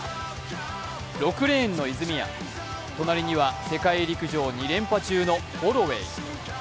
６レーンの泉谷、隣には世界陸上２連覇中のホロウェイ。